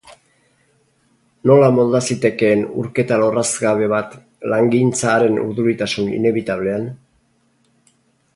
Nola molda zitekeen urketa lorrazgabe bat, langintza haren urduritasun inebitablean?